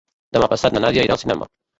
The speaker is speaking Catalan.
Demà passat na Nàdia irà al cinema.